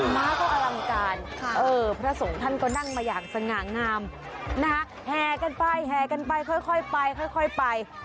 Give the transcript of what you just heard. ม้าก็อลังการพระสงฆ์ท่านก็นั่งมาอย่างสง่างามแห่กันไปแห่กันไปค่อยไปค่อยไป